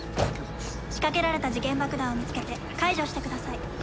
仕掛けられた時限爆弾を見つけて解除してください。